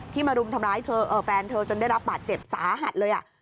มารุมทำร้ายเธอแฟนเธอจนได้รับบาดเจ็บสาหัสเลย